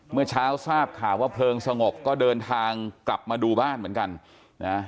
เมื่อเช้าทราบข่าวว่าเพลิงสงบก็เดินทางกลับมาดูบ้านเหมือนกันนะ